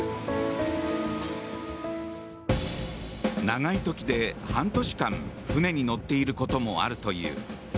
長い時で半年間船に乗っていることもあるという。